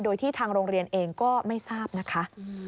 โดยที่ทางโรงเรียนเองก็ไม่ทราบนะคะ